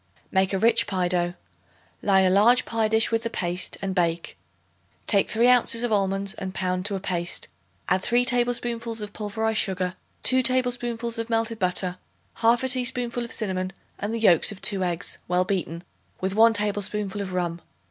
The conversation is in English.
Make a rich pie dough. Line a large pie dish with the paste and bake. Take 3 ounces of almonds and pound to a paste; add 3 tablespoonfuls of pulverized sugar, 2 tablespoonfuls of melted butter, 1/2 teaspoonful of cinnamon and the yolks of 2 eggs well beaten with 1 tablespoonful of rum.